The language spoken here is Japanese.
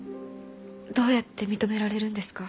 どうやって認められるんですか？